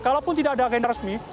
kalaupun tidak ada agenda resmi